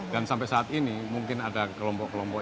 dan sampai saat ini mungkin ada kelompok kelompok